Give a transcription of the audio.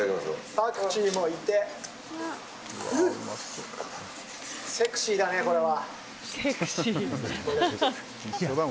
パクチーもいてセクシーだねこれは。